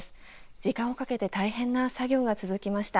時間をかけて大変な作業が続きました。